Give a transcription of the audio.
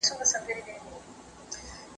فعاله ښځې ټولنې ته نوې انرژي وربخښي.